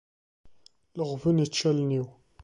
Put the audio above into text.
Leɣben ičča allen-iw.